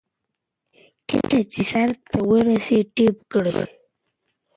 د افغانانو ملي ارزښتونه تاريخي برياليتوبونه راوستي دي.